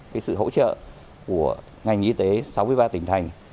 cái sự hỗ trợ của ngành y tế sáu mươi ba tỉnh thành